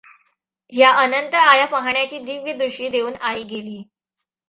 ह्या अनंत आया पाहण्याची दिव्य दृष्टी देऊन आई गेली.